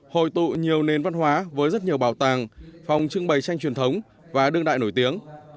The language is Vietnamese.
hội tụ nhiều nền văn hóa với rất nhiều bảo tàng phòng trưng bày tranh truyền thống và đương đại nổi tiếng